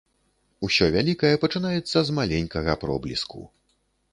Усё вялікае пачынаецца з маленькага пробліску.